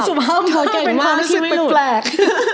สภาพของเธอเก่งมากคิดไม่หลุด